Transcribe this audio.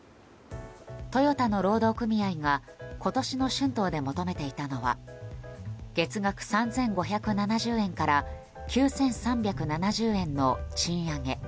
トヨタの労働組合が今年の春闘で求めていたのは月額３５７０円から９３７０円の賃上げ。